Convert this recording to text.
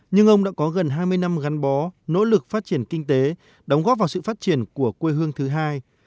nhưng ông đã có gần hai mươi năm gắn bó nỗ lực phát triển kinh tế đóng góp vào sự phát triển của quê hương thứ hai